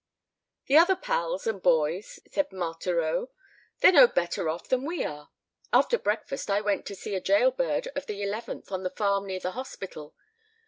"The other pals and boys," said Marthereau, "they're no better off than we are. After breakfast I went to see a jail bird of the 11th on the farm near the hospital.